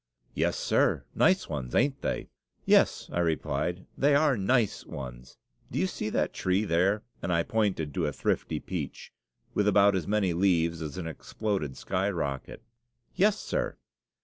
"Yes, sir; nice ones, ain't they?" "Yes," I replied, "they are nice ones. Do you see that tree there?" and I pointed to a thrifty peach, with about as many leaves as an exploded sky rocket. "Yes, sir."